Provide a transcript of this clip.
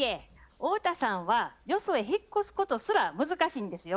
太田さんはよそへ引っ越すことすら難しいんですよ。